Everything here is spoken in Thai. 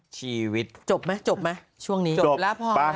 จะจับมา